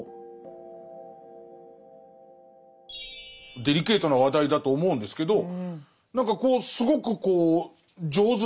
デリケートな話題だと思うんですけど何かこうすごく上手な仕掛けを考えてる。